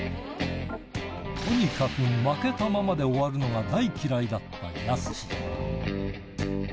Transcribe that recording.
とにかく負けたままで終わるのが大嫌いだったやすし。